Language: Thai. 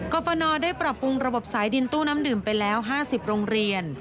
ฟนได้ปรับปรุงระบบสายดินตู้น้ำดื่มไปแล้ว๕๐โรงเรียน